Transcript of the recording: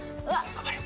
頑張れ！